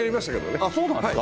そうなんですか。